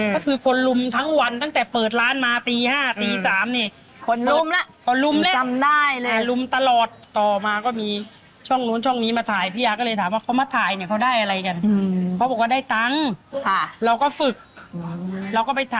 ก็คือคนรุมทั้งวันตั้งแต่เปิดร้านมาตีห้าตีสามนี่